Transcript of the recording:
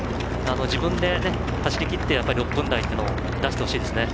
自分で走りきってやっぱり６分台っていうのを出してほしいですね。